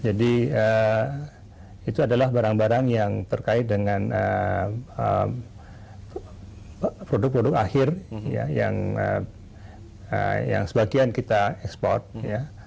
jadi itu adalah barang barang yang terkait dengan produk produk akhir ya yang sebagian kita ekspor ya